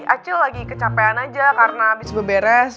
aku lagi kecapean aja karena abis beres